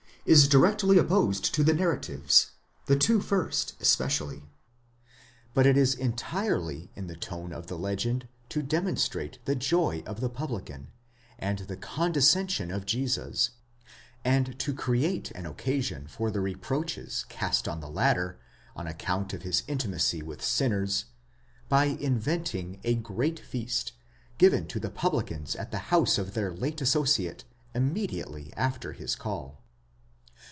9 is directly opposed to the narratives, the two first especially. But it is entirely in the tone of the legend to demonstrate the joy of the publican, and the condescension of Jesus, and to create an occasion for the reproaches cast on the latter on account of his intimacy with sinners, by inventing a great feast, given to the publicans at the house of their late associate immediately after his call.